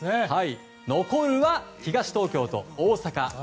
残るは東東京と大阪。